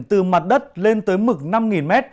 từ mặt đất lên tới mực năm m